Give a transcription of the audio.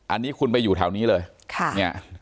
อันนี้คุณไปอยู่แถวนี้เลย